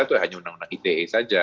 itu hanya undang undang ite saja